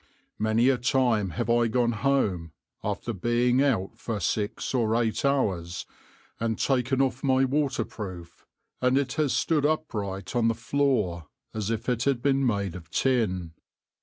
Many a time have I gone home, after being out for six or eight hours, and taken off my waterproof, and it has stood upright on the floor as if it had been made of tin.